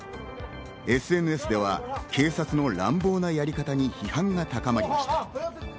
ＳＮＳでは警察の乱暴なやり方に批判が高まりました。